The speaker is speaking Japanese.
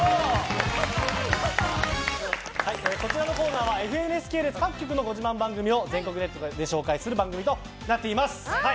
こちらのコーナーはＦＮＳ系列各局のご自慢番組を全国ネットで紹介するコーナーとなっています。